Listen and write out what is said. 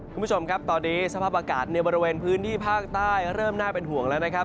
คุณผู้ชมครับตอนนี้สภาพอากาศในบริเวณพื้นที่ภาคใต้เริ่มน่าเป็นห่วงแล้วนะครับ